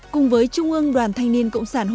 vì vậy chúng ta có thể hi vọng rằng